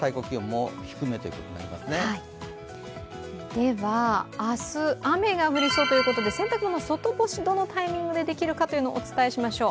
では、明日、雨が降りそうということで、洗濯物、外干しがどのタイミングでできるかをお伝えしましょう。